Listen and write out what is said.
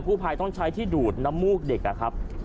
กู้ภัยต้องใช้ที่ดูดน้ำมูกเด็ก